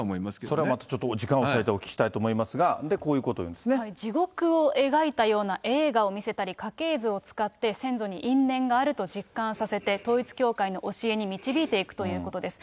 それはまたちょっとお時間を割いてお聞きしたいと思いますが、地獄を描いたような映画を見せたり、家系図を使って、先祖に因縁があると実感させて、統一教会の教えに導いていくということです。